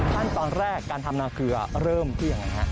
ขั้นตอนแรกการทำนาเกลือเริ่มที่อย่างไรครับ